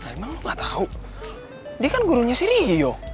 emang lo gak tahu dia kan gurunya si rio